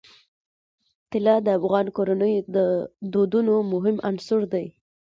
طلا د افغان کورنیو د دودونو مهم عنصر دی.